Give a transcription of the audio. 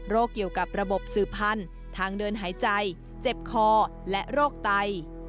เกี่ยวกับระบบสื่อพันธุ์ทางเดินหายใจเจ็บคอและโรคไต